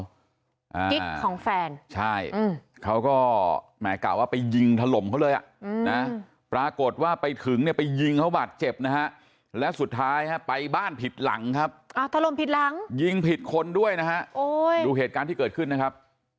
กิ๊กของแฟนใช่เขาก็แหมกะว่าไปยิงถล่มเขาเลยอ่ะนะปรากฏว่าไปถึงเนี่ยไปยิงเขาบาดเจ็บนะฮะแล้วสุดท้ายฮะไปบ้านผิดหลังครับอ่าถล่มผิดหลังยิงผิดคนด้วยนะฮะโอ้ยดูเหตุการณ์ที่เกิดขึ้นนะครับ